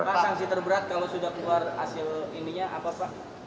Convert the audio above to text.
pak sanksi terberat kalau sudah keluar hasil ininya apa pak